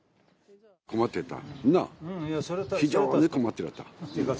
困ってた。